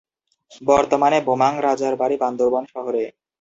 বর্তমানে বোমাং রাজার বাড়ি বান্দরবান শহরে।